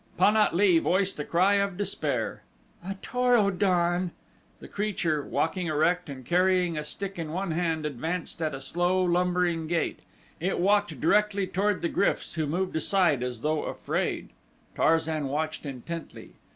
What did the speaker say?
Pan at lee voiced a cry of despair. "A Tor o don!" The creature, walking erect and carrying a stick in one hand, advanced at a slow, lumbering gait. It walked directly toward the gryfs who moved aside, as though afraid. Tarzan watched intently.